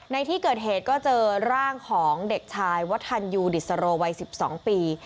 ในที่เกิดเหตุก็เจอร่างของเด็กชายวัฒนยูดิสโรวัย๑๒ปี